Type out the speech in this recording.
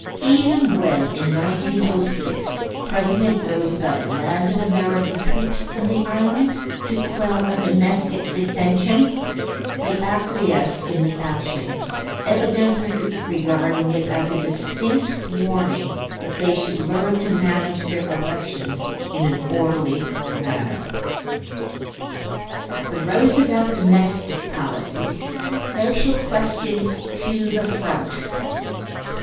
Even when in 1906 President Roosevelt landed American troops in the island to quell a domestic dissension, they acquiesced in the action, evidently regarding it as a distinct warning that they should learn to manage their elections in an orderly manner. THE ROOSEVELT DOMESTIC POLICIES =Social Questions to the Front.